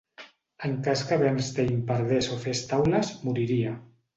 En cas que Bernstein perdés o fes taules, moriria.